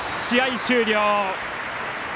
試合終了。